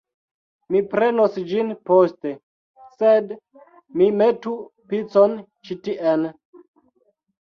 Mi prenos ĝin poste, sed mi metu picon ĉi tien